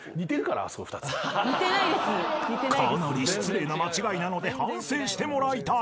［かなり失礼な間違いなので反省してもらいたい］